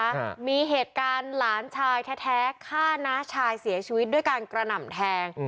อ่ามีเหตุการณ์หลานชายแท้แท้ฆ่าน้าชายเสียชีวิตด้วยการกระหน่ำแทง